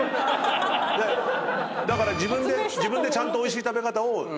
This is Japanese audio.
だから自分でちゃんとおいしい食べ方を。